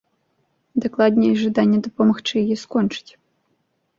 Дакладней, жаданне дапамагчы яе скончыць.